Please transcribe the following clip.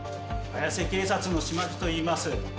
綾瀬警察署のしまきといいます。